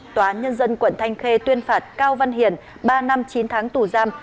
tòa án nhân dân quận thanh khê tuyên phạt cao văn hiền ba năm chín tháng tù giam